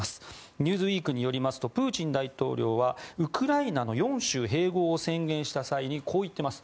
「ニューズウィーク」によりますとプーチン大統領は、ウクライナの４州併合を宣言した際にこう言っています。